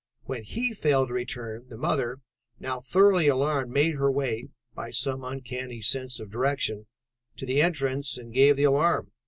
When he failed to return, the mother, now thoroughly alarmed, made her way, by some uncanny sense of direction, to the entrance and gave the alarm.